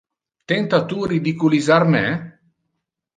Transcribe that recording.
Tenta tu ridiculisar me?